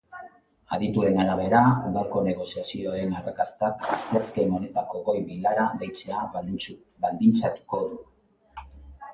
Adituen arabera, gaurko negoziazioen arrakastak asteazken honetako goi-bilera deitzea baldintzatuko du.